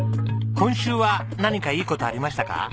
今週は何かいい事ありましたか？